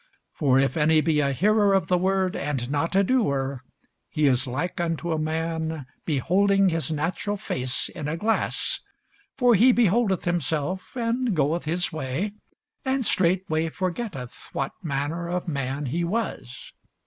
For if any be a hearer of the word, and not a doer, he is like unto a man beholding his natural face in a glass: for he beholdeth himself, and goeth his way, and straightway forgetteth what manner of man he was.